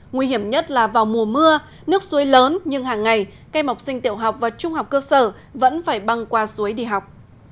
nguy hiểm nhất là vào mùa mưa nước suối lớn nhưng hàng ngày các em học sinh tiểu học và trung học cơ sở vẫn phải băng qua suối đi học